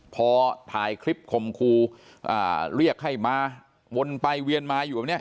พอถ่ายคลิปคมครูเรียกให้มาวนไปเวียนมาอยู่แบบนี้